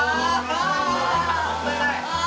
もったいないあ